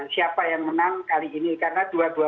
siapa yang menang kali ini karena dua dua